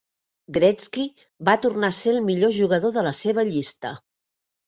Gretzky va tornar a ser el millor jugador de la seva llista.